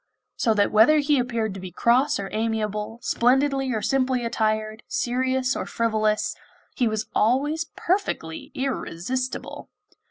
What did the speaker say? So that whether he happened to be cross or amiable, splendidly or simply attired, serious or frivolous, he was always perfectly irresistible!